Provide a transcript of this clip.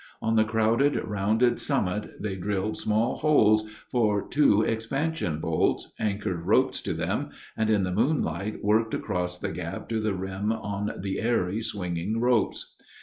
On the crowded, rounded summit they drilled small holes for two expansion bolts, anchored ropes to them, and in the moonlight worked across the gap to the rim on the airy, swinging ropes.